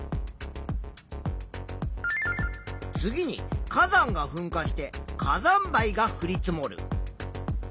次に火山がふんかして火山灰がふり積もる。